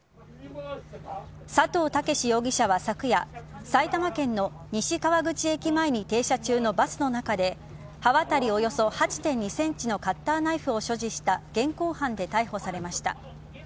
佐藤剛容疑者は昨夜埼玉県の西川口駅前に停車中のバスの中で刃渡りおよそ８．２ｃｍのカッターナイフを所持した現行犯で逮捕されました。